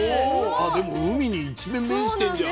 でも海に一面面してんじゃん。